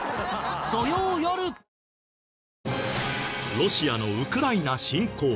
ロシアのウクライナ侵攻。